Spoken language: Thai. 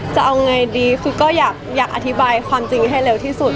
จะเอาไงดีคือก็อยากอธิบายความจริงให้เร็วที่สุด